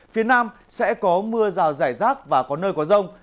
phía nam sẽ có mưa rào rải rác và có nơi có rông